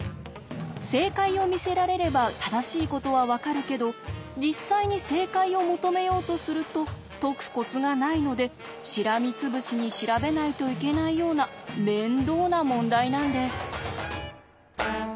正解を見せられれば正しいことは分かるけど実際に正解を求めようとすると解くコツがないのでしらみつぶしに調べないといけないような面倒な問題なんです。